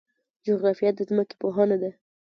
جغرافیه د ځمکې پوهنه ده